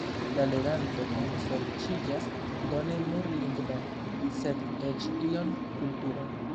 La leganto ensorĉiĝas do ne nur lingven, sed eĉ iom kulturen.